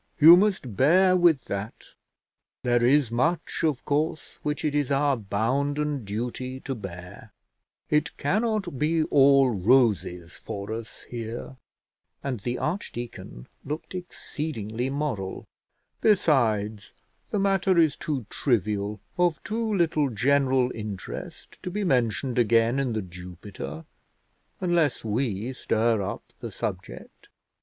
You must bear with that; there is much, of course, which it is our bounden duty to bear; it cannot be all roses for us here," and the archdeacon looked exceedingly moral; "besides, the matter is too trivial, of too little general interest to be mentioned again in The Jupiter, unless we stir up the subject."